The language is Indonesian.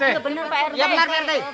iya bener pak rt